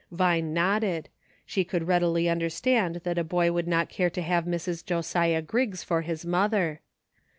Vine nodded. She could readily understand that a boy would not care to have Mrs. Josiah Griggs for his mother.